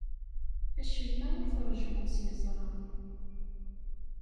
Acemma ur t-ṛejjmeɣ s yeẓra.